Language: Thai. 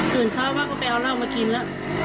ตื่นเช้ามากก็ไปเอาเหล้ามากินละ